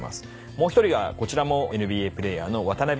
もう１人がこちらもＮＢＡプレーヤーの。